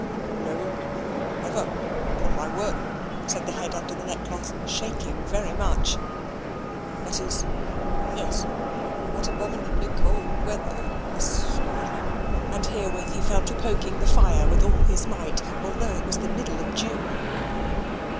"No, never, upon my word," said the head under the neckcloth, shaking very much "that is, yes what abominably cold weather, Miss" and herewith he fell to poking the fire with all his might, although it was in the middle of June.